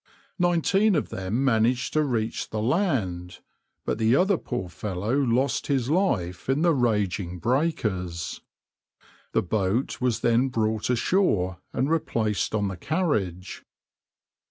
Nineteen of them managed to reach the land, but the other poor fellow lost his life in the raging breakers. The boat was then brought ashore and replaced on the carriage.